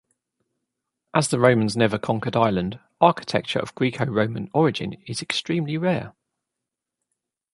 As the Romans never conquered Ireland, architecture of Greco-Roman origin is extremely rare.